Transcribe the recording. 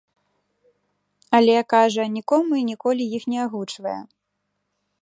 Але, кажа, нікому і ніколі іх не агучвае.